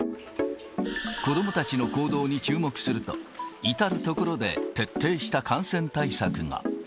子どもたちの行動に注目すると、至る所で徹底した感染対策が。